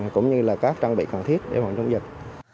cũng như là các trang bị cần thiết để phòng chống dịch